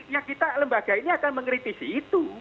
ya kita lembaga ini akan mengkritisi itu